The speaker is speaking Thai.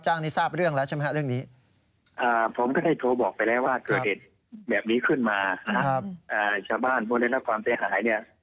ชาวบ้านพวกเมืองได้รับความสะหาย